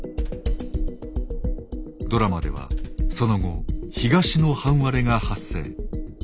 ドラマではその後東の半割れが発生。